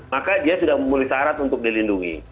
maka dia sudah memenuhi syarat untuk dilindungi